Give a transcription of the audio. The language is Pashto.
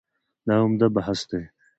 دا عمده بحث دی.